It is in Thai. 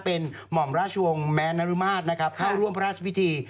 เป็นหม่อมราชวงศ์แม้นรุมาตย์เพื่อร่วมพระราชวิธี